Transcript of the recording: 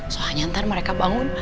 soalnya ntar mereka bangun